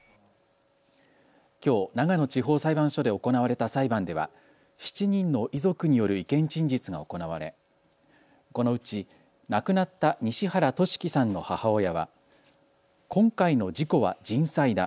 きょう、長野地方裁判所で行われた裁判では７人の遺族による意見陳述が行われこのうち亡くなった西原季輝さんの母親は今回の事故は人災だ。